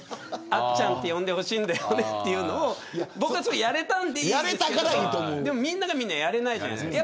あっちゃんって呼んでほしいんだよねっていうのを僕はやれたのでいいんですけどでも、みんながみんなやれないじゃないですか。